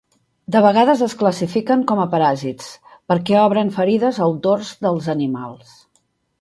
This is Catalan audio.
De vegades es classifiquen com a paràsits, perquè obren ferides al dors dels animals.